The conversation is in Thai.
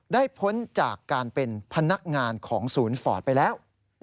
พ้นจากการเป็นพนักงานของศูนย์ฟอร์ดไปแล้ว